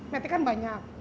metik kan banyak